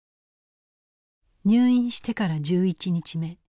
入院してから１１日目。